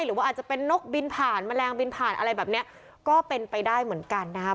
หรือว่าอาจจะเป็นนกบินผ่านแมลงบินผ่านอะไรแบบนี้ก็เป็นไปได้เหมือนกันนะครับ